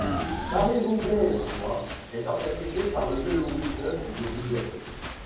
Paris-Roubaix espoirs est organisé par le Vélo Club de Roubaix.